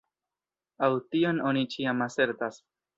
Aŭ tion oni ĉiam asertas.